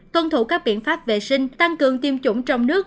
tuân thủ các biện pháp vệ sinh tăng cường tiêm chủng trong nước